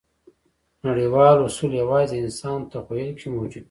نړیوال اصول یواځې د انسان تخیل کې موجود دي.